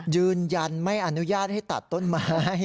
ยืนยันไม่อนุญาตให้ตัดต้นไม้